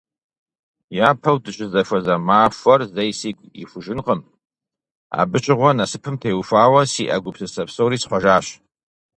Япэу дыщызэхуэза махуэр зэи сигу ихужынкъым, абы щыгъуэ насыпым теухуауэ сиӀэ гупсысэ псори схъуэжащ.